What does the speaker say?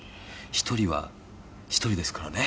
１人は、１人ですからね。